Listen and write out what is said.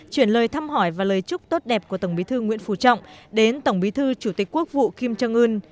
chuyển lời thăm hỏi và lời chúc tốt đẹp của tổng bí thư nguyễn phú trọng đến tổng bí thư chủ tịch quốc vụ kim trang ưn